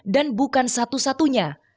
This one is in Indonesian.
dan bukan satu satunya